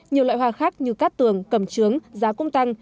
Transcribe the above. nhiều loại hoa khác như cát tường cầm trướng giá cũng tăng